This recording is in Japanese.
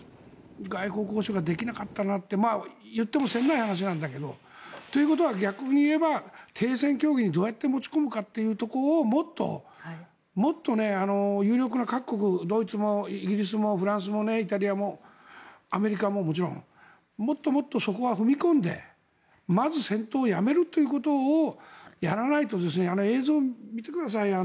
外交交渉ができなかったって言っても詮ない話なんだけどということは逆に言えば停戦協議にどうやって持ち込むかということをもっと有力な各国ドイツもイギリスもフランスもイタリアもアメリカももちろんもっともっとそこは踏み込んでまず、戦闘をやめるということをやらないと映像見てくださいよ。